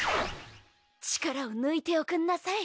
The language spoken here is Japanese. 力を抜いておくんなさい。